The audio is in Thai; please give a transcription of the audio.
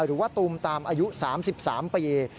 หรือว่าตุมตามอายุ๓๓ปี